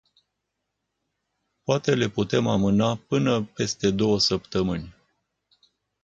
Poate le putem amâna până peste două săptămâni.